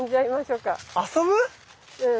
うん。